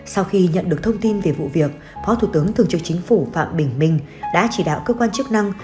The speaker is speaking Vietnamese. sau khi nhận được thông tin về vụ việc phó thủ tướng thường trực chính phủ phạm bình minh đã chỉ đạo cơ quan chức năng